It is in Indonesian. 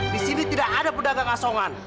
di sini tidak ada pedagang asongan